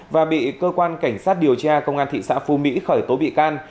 và bị cơ quan cảnh sát điều tra công an thị xã phú mỹ khởi tố bị can